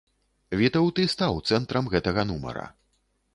Вітаўт і стаў цэнтрам гэтага нумара.